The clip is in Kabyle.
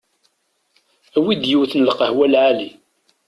Awi-d yiwet n lqahwa lɛali.